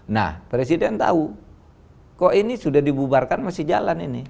nah presiden tahu kok ini sudah dibubarkan masih jalan ini